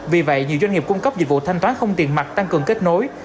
vì vậy nhiều doanh nghiệp cung cấp dịch vụ thanh toán không tiền mặt tăng cường kết nối